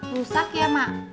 rusak ya emak